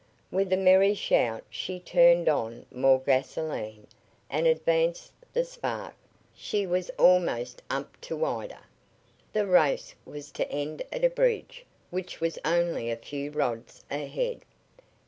With a merry shout she turned on more gasolene and advanced the spark. She was almost up to Ida. The race was to end at a bridge, which was only a few rods ahead.